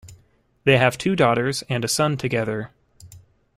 They have two daughters and a son together.